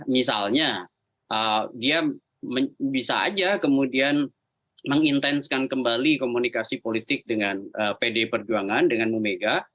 misalnya dia bisa aja kemudian mengintensikan kembali komunikasi politik dengan pdi perjuangan dengan ibu mega